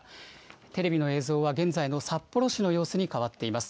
テレビの映像は、現在の札幌市の様子にかわっています。